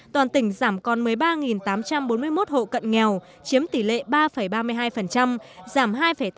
toàn tỉnh giảm còn một mươi ba tám trăm bốn mươi một hộ cận nghèo chiếm tỷ lệ ba ba mươi hai giảm hai tám mươi